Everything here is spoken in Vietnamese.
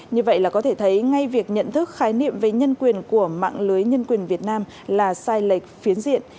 như vậy là có thể thấy ngay việc nhận thức khái niệm về nhân quyền của mạng lưới nhân quyền việt nam là sai lệch phiến diện